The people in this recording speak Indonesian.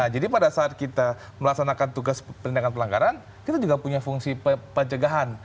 jadi pada saat kita melaksanakan tugas pendidikan pelanggaran kita juga punya fungsi pencegahan